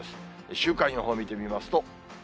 週間予報見てみますと。